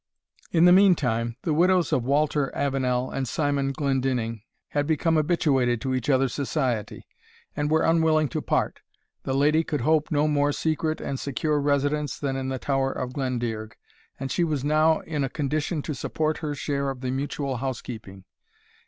In the meantime, the widows of Walter Avenel and Simon Glendinning had become habituated to each other's society, and were unwilling to part. The lady could hope no more secret and secure residence than in the Tower of Glendearg, and she was now in a condition to support her share of the mutual housekeeping.